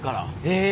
へえ！